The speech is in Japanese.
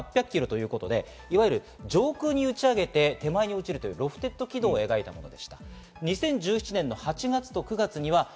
飛行距離８００キロということで、いわゆる上空に打ち上げて、手前に落ちるというロフテッド軌道を描いたものでした。